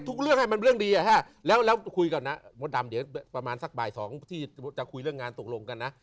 ทุกเรื่องให้มันเรื่องดีอ่ะคุยกับว่าดำเดี๋ยวสักบ่ายสองที่จะคุยเรื่องงานตกลงก่อนนะ